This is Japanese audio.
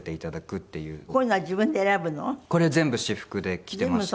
これ全部私服で着ていました。